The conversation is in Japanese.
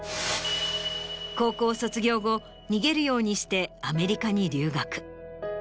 高校卒業後逃げるようにしてアメリカに留学。